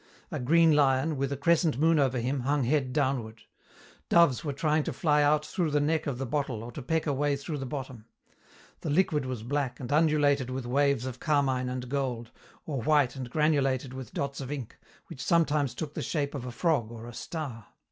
A green lion, with a crescent moon over him, hung head downward. Doves were trying to fly out through the neck of the bottle or to peck a way through the bottom. The liquid was black and undulated with waves of carmine and gold, or white and granulated with dots of ink, which sometimes took the shape of a frog or a star.